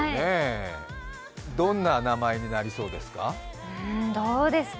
どんな名前になりそうですか？